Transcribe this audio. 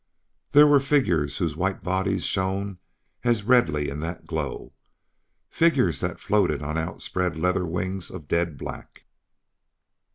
There were figures whose white bodies shone as redly in that glow figures that floated on outspread leather wings of dead black.